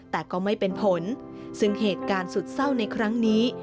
แต่ก็ไม่เป็นผลซึ่งเหตุการณ์สุดเศร้าในครั้งนี้